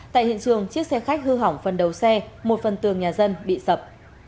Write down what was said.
tại hiện trường chiếc xe khách hư hỏng phần đầu xe một phần tường nhà dân bị sập